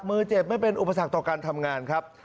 มือเจ็บไม่เป็นอุปสรรคต่อการทำงานครับ